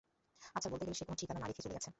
আচ্ছা, বলতে গেলে সে কোনো ঠিকানা না রেখেই চলে গেছে।